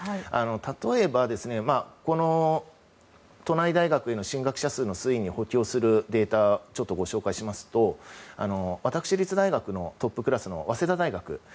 例えば、都内大学への進学者数の推移に補強するデータをご紹介しますと私立大学のトップ大学の早稲田大学。